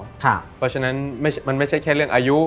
เพราะฉะนั้นมันไม่ใช่แค่เรื่องอายุ